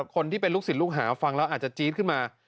คนที่เป็นลูกศิษย์ลูกหาฟังแล้วอาจจะจี๊ดขึ้นมา